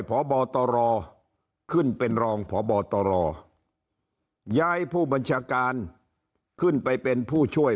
พบตรขึ้นเป็นรองพบตรย้ายผู้บัญชาการขึ้นไปเป็นผู้ช่วย